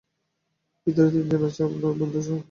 ভিতরে তিনজন আছে, আপনার বন্ধু সহ?